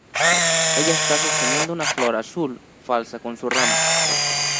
Ella está sosteniendo una flor azul falsa con su ramo.